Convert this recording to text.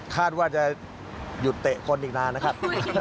คาดว่าจะหยุดเตะคนอีกนานนะครับ